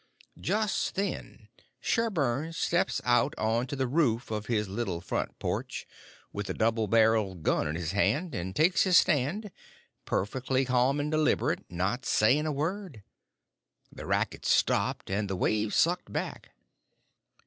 Just then Sherburn steps out on to the roof of his little front porch, with a double barrel gun in his hand, and takes his stand, perfectly ca'm and deliberate, not saying a word. The racket stopped, and the wave sucked back.